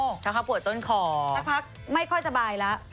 เขาก็ปวดต้นขอสักพักไม่ค่อยสบายแล้ว